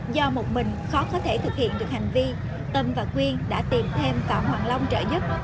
do một mình khó có thể thực hiện được hành vi tâm và quyên đã tìm thêm phạm hoàng long trợ giúp